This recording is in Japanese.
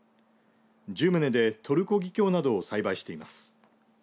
１０棟でトルコギキョウなどを栽培しています。